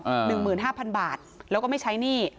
หนึ่งหมื่นห้าพันบาทแล้วก็ไม่ใช้หนี้